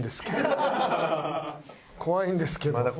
怖いんですけど。